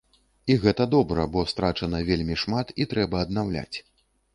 І гэта добра, бо страчана вельмі шмат, і трэба аднаўляць.